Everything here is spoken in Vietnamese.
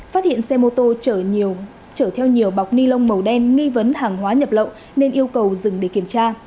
phát hiện xe mô tô chở theo nhiều bọc ni lông màu đen nghi vấn hàng hóa nhập lậu nên yêu cầu dừng để kiểm tra